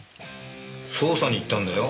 捜査に行ったんだよ。